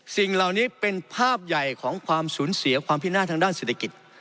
สิ่งเหล่านี้เป็นภาพใหญ่ของความสูญเสียความพินาศทางด้านเศรษฐกิจ